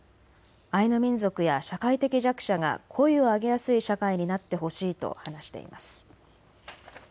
アイヌ民族や社会的弱者が声を上げやすい社会になってほしいと話しています。